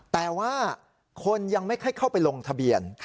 แต่ว่าคนยังไม่ค่อยเข้าไปลงทะเบียน